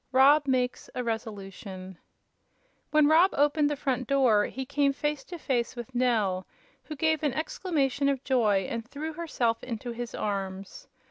Rob Makes a Resolution When Rob opened the front door he came face to face with Nell, who gave an exclamation of joy and threw herself into his arms.